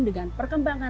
tidak ada perubahan